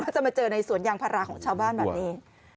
จะมาเจอในสวนยางพาราของชาวบ้านแบบนี้